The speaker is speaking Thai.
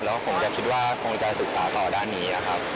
แล้วผมจะคิดว่าคงจะศึกษาต่อด้านนี้ครับ